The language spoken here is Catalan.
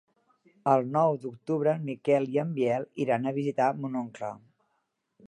El nou d'octubre en Miquel i en Biel iran a visitar mon oncle.